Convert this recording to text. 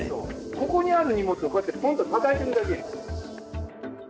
ここにある荷物をこうやってポンとたたいてるだけ。